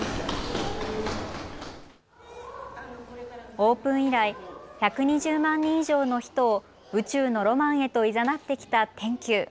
オープン以来、１２０万人以上の人を宇宙のロマンへといざなってきたＴｅＮＱ。